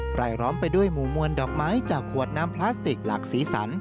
รายล้อมไปด้วยหมู่มวลดอกไม้จากขวดน้ำพลาสติกหลากสีสัน